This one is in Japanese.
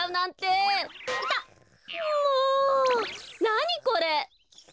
なにこれ！？